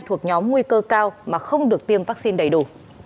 thuộc nhóm nguy cơ cao mà không được tiêm vaccine đầy đủ